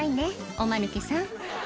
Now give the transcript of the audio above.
おマヌケさん